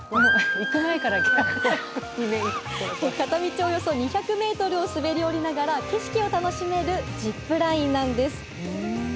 片道およそ２００ｍを滑り降りながら景色を楽しめるジップラインなんです。